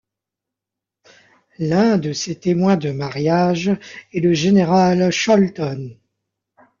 L’un de ses témoins de mariage est le général Cholleton.